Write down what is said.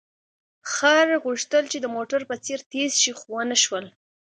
خر غوښتل چې د موټر په څېر تېز شي، خو ونه شول.